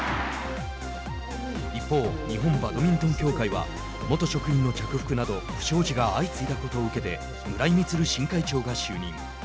一方、日本バドミントン協会は元職員の着服など不祥事が相次いだことを受けて村井満新会長が就任。